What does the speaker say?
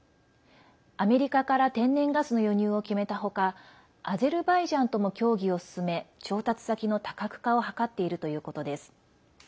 アメリカから天然ガスの輸入を決めたほかアゼルバイジャンとも協議を進め調達先の多角化を図っているということです。